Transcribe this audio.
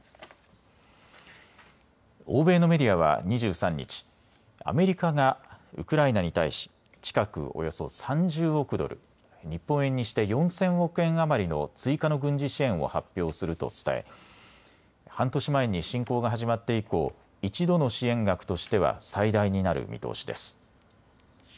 欧米のメディアは２３日、アメリカがウクライナに対し近くおよそ３０億ドル、日本円にして４０００億円余りの追加の軍事支援を発表すると伝え半年前に侵攻が始まって以降、１度の支援額としては最大になる見通しです。